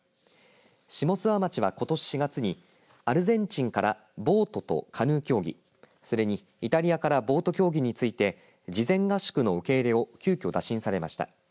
下諏訪町は、ことし４月にアルゼンチンからボートと、カヌー競技それにイタリアからボート競技について事前合宿の受け入れを急きょ打診されました。